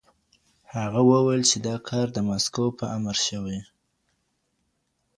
هغه وويل چې دا کار د مسکو په امر شوی.